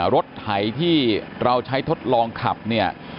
รถไถที่เราใช้ทดลองขับเนี่ย